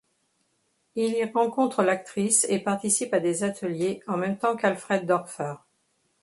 Il y rencontre l'actrice et participe à des ateliers en même temps qu'Alfred Dorfer.